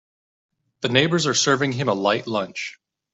The neighbors are serving him a light lunch.